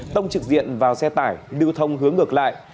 tông trực diện vào xe tải lưu thông hướng ngược lại